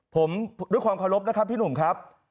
ผมด้วยความเคารพนะครับพี่หนุ่มครับ